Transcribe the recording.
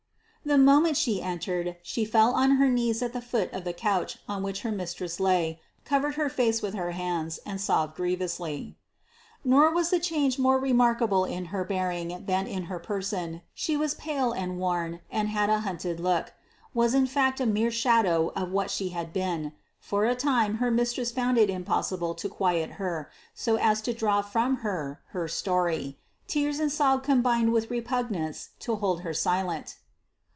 The moment she entered, she fell on her knees at the foot of the couch on which her mistress lay, covered her face with her hands, and sobbed grievously. Nor was the change more remarkable in her bearing than in her person. She was pale and worn, and had a hunted look was in fact a mere shadow of what she had been. For a time her mistress found it impossible to quiet her so as to draw from her her story: tears and sobs combined with repugnance to hold her silent.